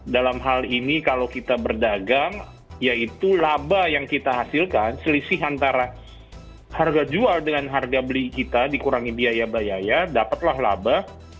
dalam hal ini kalau kita berdagang yaitu laba yang kita hasilkan selisih antara harga jual dengan harga beli kita dikurangi biaya biaya dapatlah laba